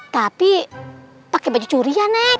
tapi pake baju curian neng